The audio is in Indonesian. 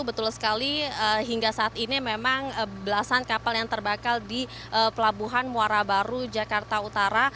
betul sekali hingga saat ini memang belasan kapal yang terbakar di pelabuhan muara baru jakarta utara